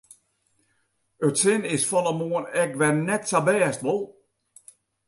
It sin is fan 'e moarn ek wer net sa bêst, wol?